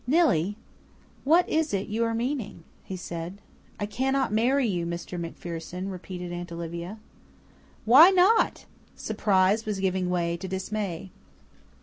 "Nillie, what is it you are meaning?" he said. "I cannot marry you, Mr. MacPherson," repeated Aunt Olivia. "Why not?" Surprise was giving way to dismay.